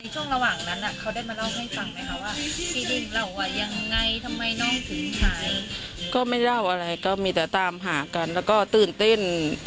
ช่วงระหว่างนั้นเขาได้มาเล่าให้ฟังไหมคะ